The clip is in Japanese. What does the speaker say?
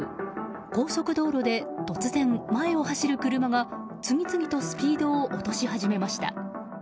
高速道路で突然、前を走る車が次々とスピードを落とし始めました。